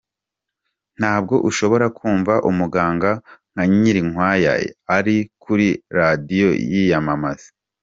Ntabwo ushobora kumva umuganga nka Nyirinkwaya ari kuri radiyo yiyamamaza.